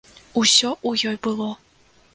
Усё ў ёй было.